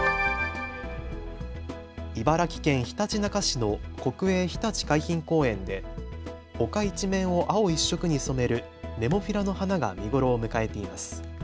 茨城県ひたちなか市の国営ひたち海浜公園で丘一面を青一色に染めるネモフィラの花が見頃を迎えています。